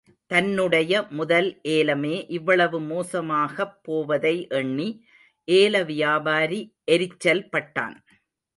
தன்னுடைய முதல் ஏலமே இவ்வளவு மோசமாகப் போவதை எண்ணி ஏலவியாபாரி எரிச்சல் பட்டான்.